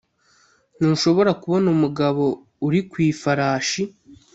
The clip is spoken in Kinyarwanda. ntushobora kubona umugabo uri ku ifarashi.